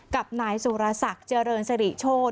กับนายสุรสักเจริญสริโชฑ์